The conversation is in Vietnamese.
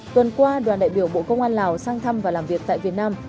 tuần qua đoàn đại biểu bộ công an lào sang thăm và làm việc tại việt nam